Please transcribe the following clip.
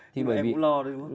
nhưng mà em cũng lo đấy đúng không